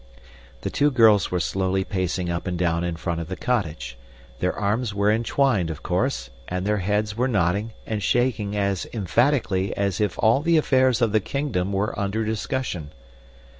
The two girls were slowly pacing up and down in front of the cottage. Their arms were entwined, of course, and their heads were nodding and shaking as emphatically as if all the affairs of the kingdom were under discussion.